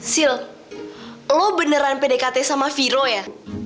sil lo beneran pdkt sama viro ya